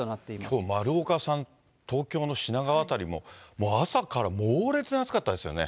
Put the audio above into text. きょう、丸岡さん、東京の品川辺りも朝から猛烈に暑かったですよね。